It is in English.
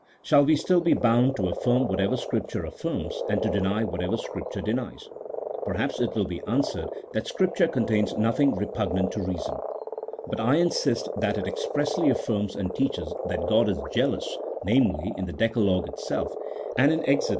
Shall we still be bound to affirm whatever Scrip ture affirms, and to deny whatever Scripture denies ? Per haps it will be answered that Scripture contains nothing repugnant to reason. But I insist that it expressly affirms and teaches that God is jealous (namely, in the decalogue itself, and in Exod.